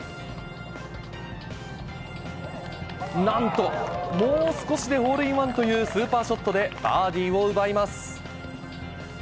なんと、もう少しでホールインワンというスーパーショートで、バーディーを奪います。